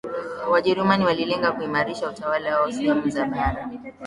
Wajerumani walilenga kuimarisha utawala wao sehemu za bara